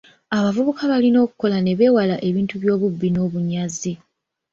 Abavubuka balina okukola ne beewala ebintu by'obubbi n'obunyazi.